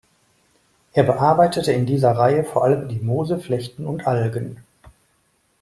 Er bearbeitete in dieser Reihe vor allem die Moose, Flechten und Algen.